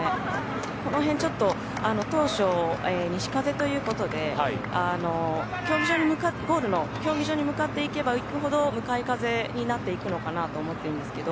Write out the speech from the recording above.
この辺ちょっと当初、西風ということでゴールの競技場に向かっていけばいくほど向かい風になっていくのかなと思ってるんですけど。